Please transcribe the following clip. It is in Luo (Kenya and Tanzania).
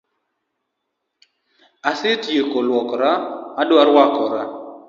Asetieko luokora adwa rwakora